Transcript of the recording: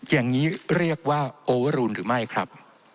อย่างนี้เรียกว่าโอรูนหรือไม่ครับ